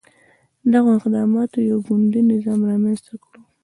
دغو اقداماتو یو ګوندي نظام رامنځته کړ.